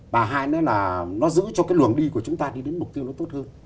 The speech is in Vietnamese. và hai nữa là nó giữ cho cái luồng đi của chúng ta đi đến mục tiêu nó tốt hơn